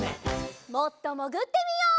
もっともぐってみよう。